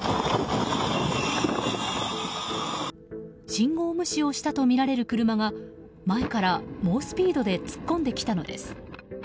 信号無視をしたとみられる車が前から猛スピードで突っ込んできたのです。